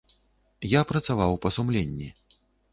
Я працаваў па сумленні.